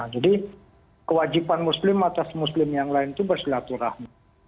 jadi kewajiban muslim atas muslim yang lain itu bersilaturahmi